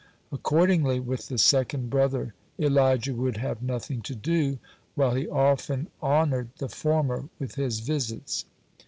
Accordingly, with the second brother Elijah would have nothing to do, while he often honored the former with his visits.